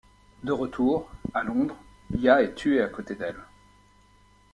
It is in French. De retour, à Londres, Ya est tué à côté d'elle.